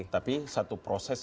tapi satu proses